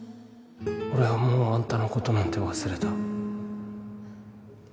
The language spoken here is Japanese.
俺はもうあんたのことなんて忘れた